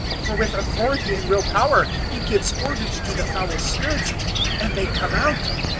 For with authority and real power He gives orders to the foul spirits and they come out."